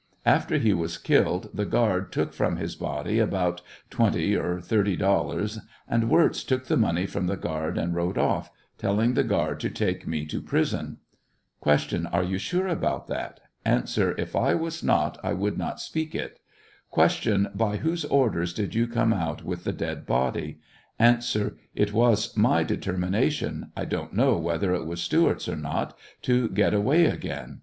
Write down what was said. After he was killed the guard took from his body about $20 or $30, and Wirz took the money from the guard and rode off, telling the guard to take me to prison. Q. Are you sure about that 1 A. If I was not I would not speak it. Q. By whose orders did you come out with the dead body ? A. It was my determination, 1 don't know whether it was Stewart's or not, to get away again.